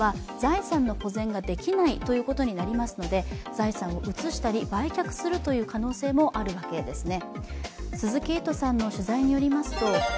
財産を移したり売却したりする可能性もあるわけですね。